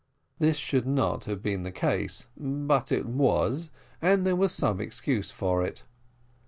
This should not have been the case, but it was, and there was some excuse for it.